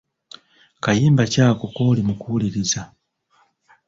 Kayimba ki ako kooli mu kuwuliriza?